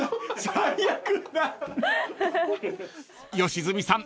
［良純さん